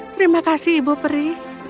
terima kasih ibu peri